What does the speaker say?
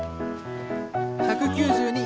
１９２！